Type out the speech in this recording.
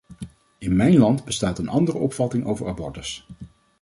In mijn land bestaat een andere opvatting over abortus.